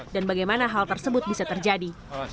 dan bagaimana hal tersebut bisa terjadi